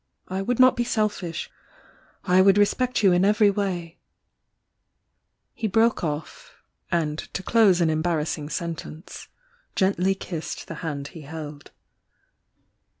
I would not be selfish, — I would respect you in every way " He broke off — and to close an embarrassing sen tence gently kissed the hand he held.